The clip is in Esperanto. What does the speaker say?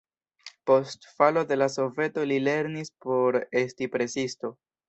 Post falo de la Soveto li lernis por esti presisto.